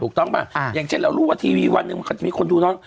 ถูกต้องป่ะอ่าอย่างเช่นเรารู้ว่าทีวีวันหนึ่งมีคนดูนอน